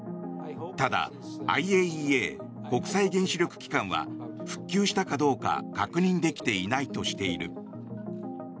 ただＩＡＥＡ・国際原子力機関は復旧したかどうか確認できていないとしている。